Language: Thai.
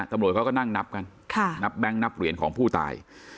ตำรวจเขาก็นั่งนับกันนับแบงค์นับเหรียญของผู้ตาย